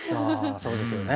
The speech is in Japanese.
そうですよね。